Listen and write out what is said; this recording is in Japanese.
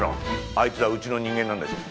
あいつはうちの人間なんだし。